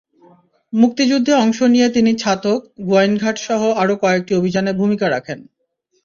মুক্তিযুদ্ধে অংশ নিয়ে তিনি ছাতক, গোয়াইনঘাটসহ আরও কয়েকটি অভিযানে ভূমিকা রাখেন।